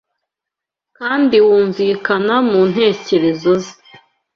kandi wumvikana mu ntekerezo ze